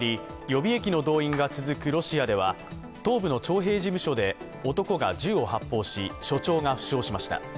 予備役の動員が続くロシアでは、東部の徴兵事務所で男が銃を発砲し、所長が負傷しました。